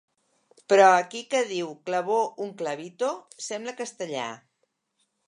Però aquí que diu “clavó un clavito” sembla castellà.